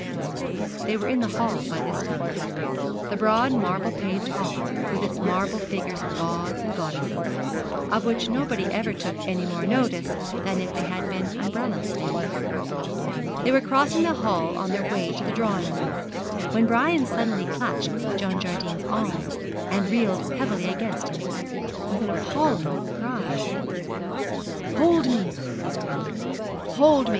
"' They were in the hall by this time. The broad marble paved hall, with its marble figures of gods and goddesses, of which nobody ever took any more notice than if they had been umbrella stands. They were crossing the hall on their way to the drawing room, when Brian suddenly clutched John Jardine's arm and reeled heavily against him, with an appalling cry. 'Hold me!' he screamed; 'hold me!